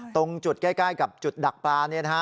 ตรงจุดใกล้กับจุดดักปลาเนี่ยนะฮะ